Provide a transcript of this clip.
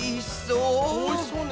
おいしそう！